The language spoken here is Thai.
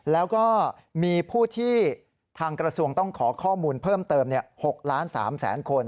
แล้วก็มีผู้ที่ทางกระทรวงต้องขอข้อมูลเพิ่มเติม๖ล้าน๓แสนคน